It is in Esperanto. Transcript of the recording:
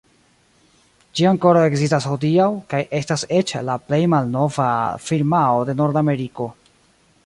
Ĝi ankoraŭ ekzistas hodiaŭ, kaj estas eĉ la plej malnova firmao de Nordameriko.